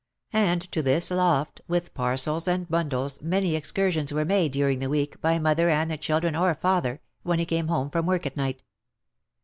And to this loft with parcels and bundles many excursions were made during the week by mother and the children or father, when he came home from work at night.